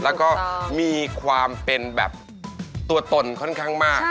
แล้วก็มีความเป็นแบบตัวตนค่อนข้างมาก